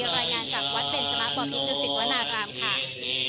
รายงานจากวัดเบรนจมักบ่าพิธีสินวนารามค่ะ